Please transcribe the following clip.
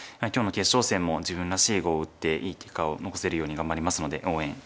今日の決勝戦も自分らしい碁を打っていい結果を残せるように頑張りますので応援